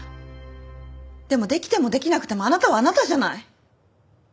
でもできてもできなくてもあなたはあなたじゃない。